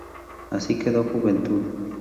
Así quedó Juventud.